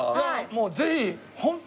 もうぜひ。